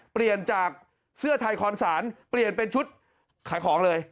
เปลี่ยนจากเสื้อไทยคอนศาลเปลี่ยนเป็นชุดขายของเลย